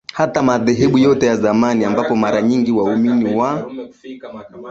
hata madhehebu yote ya zamani ambapo mara nyingi waumini wa